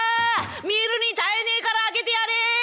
見るに堪えねえから開けてやれ！」。